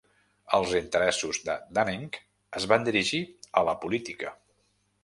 Els interessos de Dunning es van dirigir a la política.